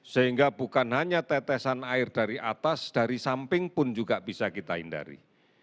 sehingga bukan hanya tetesan air dari atas dari samping pun juga bisa kita hindari